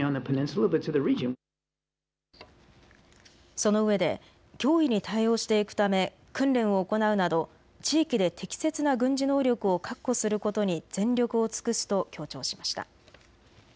そのうえで脅威に対応していくため訓練を行うなど地域で適切な軍事能力を確保することに全力を尽くすと強調しました。